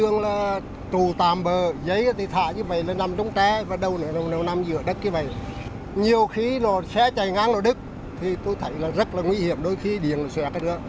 nhiều khí nó sẽ chạy ngang vào đất thì tôi thấy là rất là nguy hiểm đôi khi điền nó xòe cái đường